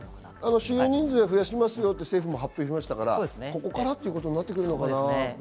収容人数を増やすと政府も発表しましたが、ここからということになってくるのかな？